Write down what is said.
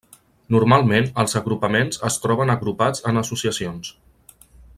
Normalment, els agrupaments es troben agrupats en associacions.